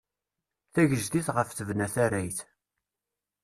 Tigejdit ɣef tebna tarrayt.